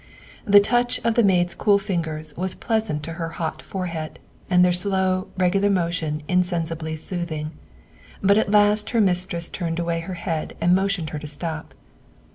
The touch of the maid's cool fingers was pleasant to her hot forehead, and their slow, regular motion insensibly soothing, but at last her mistress turned away her head and motioned her to stop.